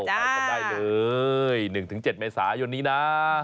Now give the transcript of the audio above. ไปกันได้เลย๑๗เมษายนนี้นะ